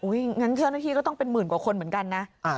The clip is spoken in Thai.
งั้นเจ้าหน้าที่ก็ต้องเป็นหมื่นกว่าคนเหมือนกันนะ